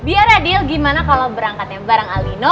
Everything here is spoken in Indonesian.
biar adil gimana kalau berangkatnya bareng alino